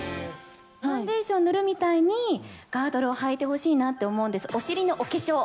ファンデーション塗るみたいに、ガードルをはいてほしいなと思うんです。